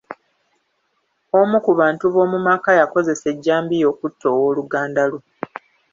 Omu ku bantu b'omu maka yakozesa ejjambiya okutta owooluganda lwe.